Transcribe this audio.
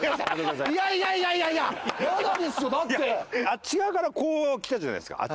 あっち側からこう来たじゃないですか。